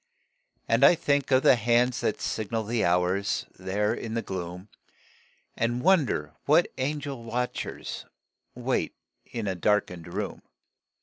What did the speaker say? And I think of the hands that signal The hours there in the gloom, And wonder what angel watchers Wait in the darkened room.